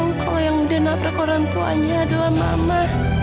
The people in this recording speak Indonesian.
harus tau kalau yang udah naprak orang tuanya adalah mama